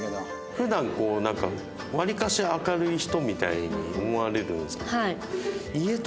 普段こうなんか割かし明るい人みたいに思われるんですけど。